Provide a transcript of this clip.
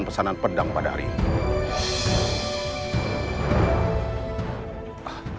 pesanan pedang pada hari ini